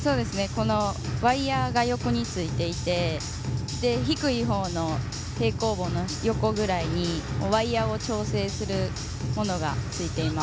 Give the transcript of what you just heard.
ワイヤが横についていて低い方の平行棒の横ぐらいにワイヤを調整するものがついています。